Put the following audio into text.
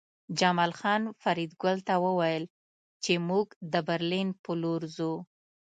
جمال خان فریدګل ته وویل چې موږ د برلین په لور ځو